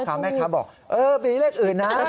ข้อคำให้เขาบอกเออมีเลขอื่นน่ะ